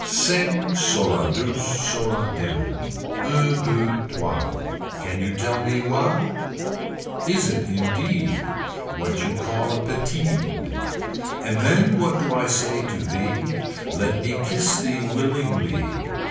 Sing so la douse so la dim. Un deux trois Can you tell me wha Is it indeed. What you call a Petide. And then what do I say to thee Let me kiss thee willingly.